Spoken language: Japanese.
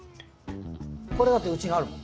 これだってうちにあるもん。